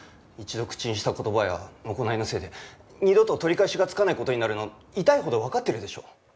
一度口にした言葉や行いのせいで二度と取り返しがつかない事になるの痛いほどわかってるでしょ？